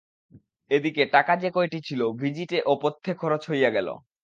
এদিকে টাকা যে কয়টি ছিল-ভিজিটে ও পথ্যে খরচ হইয়া গেল।